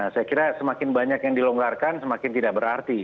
saya kira semakin banyak yang dilonggarkan semakin tidak berarti